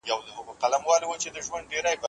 عبدالحلیم همت دا کتاب په پښتو ژباړلی دی.